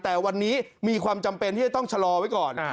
แต่วันนี้มีความจำเป็นที่จะต้องชะลอไว้ก่อน